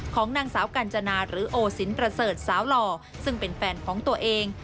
ของนางสาวกัญจนาหรือโอสินประเสริฐสาวหล่อซึ่งเป็นแฟนของตัวเอง